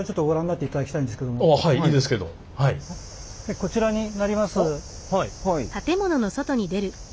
こちらになります。